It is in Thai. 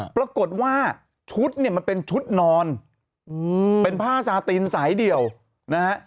ปรากฏว่าชุดเนี่ยมันเป็นชุดนอนเป็นผ้าสาตินสายเดี่ยวนะฮะ